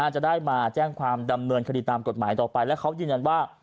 จะได้มาแจ้งความดำเนินคดีตามกฎหมายต่อไปและเขายืนยันว่า